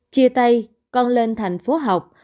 chia tay con lên thành phố học